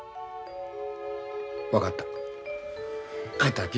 分かった。